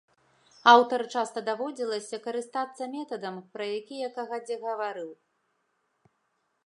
Аўтару часта даводзілася карыстацца метадам, пра які я кагадзе гаварыў.